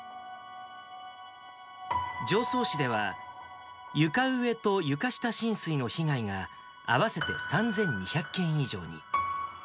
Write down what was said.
常総市では、床上と床下浸水の被害が合わせて３２００軒以上に。